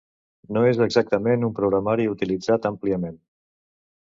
No és exactament un programari utilitzat àmpliament.